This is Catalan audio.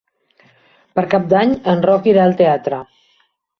Per Cap d'Any en Roc irà al teatre.